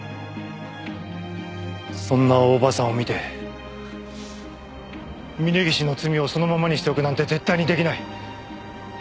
そんな大庭さんを見て峰岸の罪をそのままにしておくなんて絶対に出来ない。